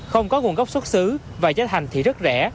không có nguồn gốc xuất xứ và giá thành thì rất rẻ